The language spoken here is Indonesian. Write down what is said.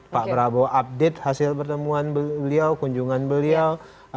pak prabowo update hasil pertemuan beliau kunjungan beliau